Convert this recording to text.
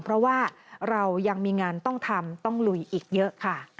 เพราะว่าเรายังมีงานต้องทำต้องลุยอีกเยอะค่ะ